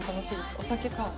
お酒か。